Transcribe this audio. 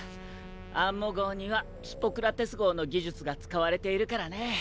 アンモ号にはヒポクラテス号の技術が使われているからね。